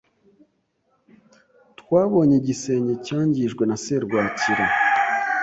Twabonye igisenge cyangijwe na serwakira.